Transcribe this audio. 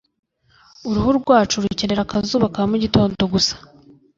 Uruhu rwacu rukenera akazuba ka mugitondo gusa